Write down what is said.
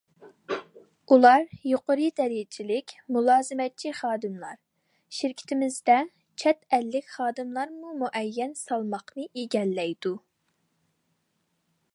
ئۇلار يۇقىرى دەرىجىلىك مۇلازىمەتچى خادىملار، شىركىتىمىزدە چەت ئەللىك خادىملارمۇ مۇئەييەن سالماقنى ئىگىلەيدۇ.